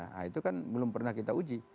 nah itu kan belum pernah kita uji